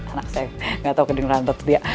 anak saya nggak tahu kedengeran atau dia